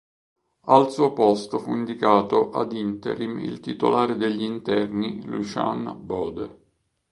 Al suo posto fu indicato ad interim il titolare degli interni Lucian Bode.